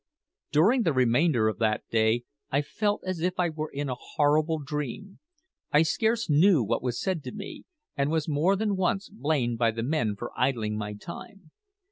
During the remainder of that day I felt as if I were in a horrible dream. I scarce knew what was said to me, and was more than once blamed by the men for idling my time.